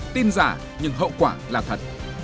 tin giả nhưng hậu quả là thật